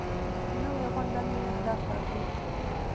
نوې غونډه نوي اهداف ټاکي